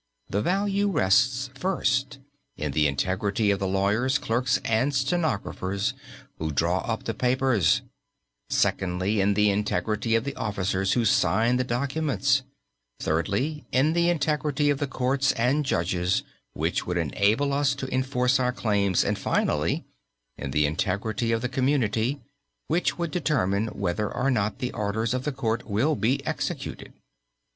The value rests first, in the integrity of the lawyers, clerks and stenographers who draw up the papers; secondly, in the integrity of the officers who sign the documents; thirdly, in the integrity of the courts and judges which would enable us to enforce our claims; and finally, in the integrity of the community which would determine whether or not the orders of the court will be executed.